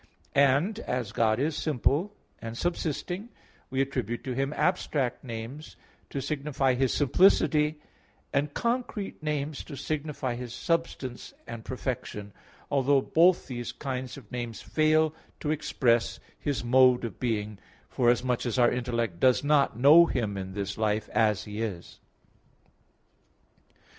And as God is simple, and subsisting, we attribute to Him abstract names to signify His simplicity, and concrete names to signify His substance and perfection, although both these kinds of names fail to express His mode of being, forasmuch as our intellect does not know Him in this life as He is.